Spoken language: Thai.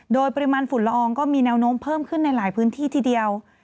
โดยปริมาณฝุ่นละอองก็มีแนวโน้มเพิ่มขึ้นในหลายพื้นที่ทีเดียว